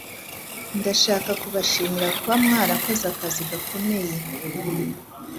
Ndashaka kubashimira kuba mwarakoze akazi gakomeye.